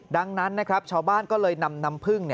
ดังนั้นนะครับชาวบ้านก็เลยนำน้ำพึ่ง